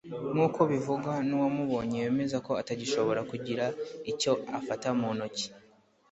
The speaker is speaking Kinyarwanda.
nkuko bivugwa n’uwamubonye wemeza ko atagishobora kugira icyo afata mu ntoki